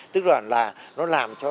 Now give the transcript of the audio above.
tức là nó làm cho